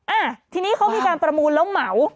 อ่ะทีนี้เขามีการประมูลแล้วเหมา